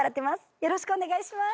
よろしくお願いします。